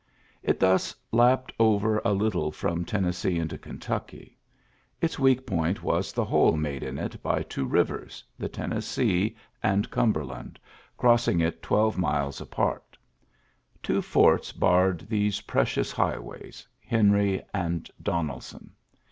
It thus lapp( a little from Tennessee into Kei Its weak point was the hole mad by two rivers, the Tennessee anc berland, crossing it twelve miles Two forts barred these preciou ways — Henry and Donebon.